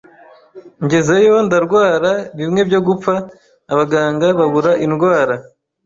ngezeyo ndarwara bimwe byo gupfa abaganga babura indwara